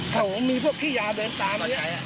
เขามีพวกพี่ยาเดินตาม